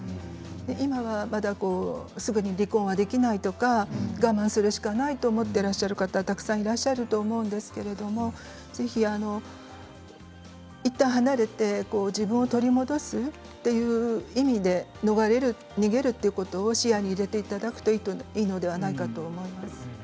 今は、まだすぐに離婚はできないとか我慢するしかないと思ってらっしゃる方たくさんいらっしゃると思うんですけれどもぜひ、いったん離れて自分を取り戻すという意味で逃れる、逃げるということを視野に入れていただくといいのではないかと思います。